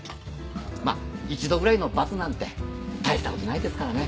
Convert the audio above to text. まぁ一度ぐらいのバツなんて大したことないですからね。